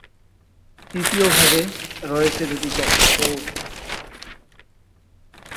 তৃতীয় ভাগে রয়েছে দুটি কক্ষ।